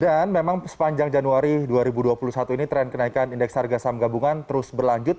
dan memang sepanjang januari dua ribu dua puluh satu ini tren kenaikan indeks harga saham gabungan terus berlanjut